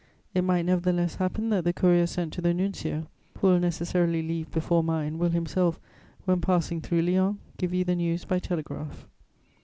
It might nevertheless happen that the courier sent to the Nuncio, who will necessarily leave before mine, will himself, when passing through Lyons, give you the news by telegraph."